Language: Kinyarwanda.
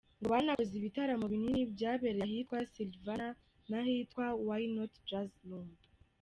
Ngo banakoze ibitaramo binini byabereye ahitwa Silvana n’ahitwa Why Not Jazz Room.